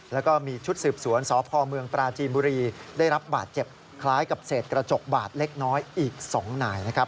แล้วก็มีชุดสืบสวนสพเมืองปราจีนบุรีได้รับบาดเจ็บคล้ายกับเศษกระจกบาดเล็กน้อยอีก๒นายนะครับ